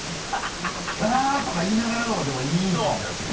「あっ」とか言いながらのほうがでもいい感じはする。